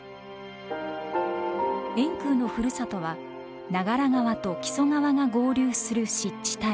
円空のふるさとは長良川と木曽川が合流する湿地帯。